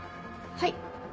はい？